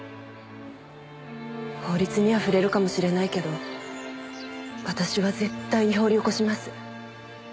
法律には触れるかもしれないけど私は絶対に掘り起こします。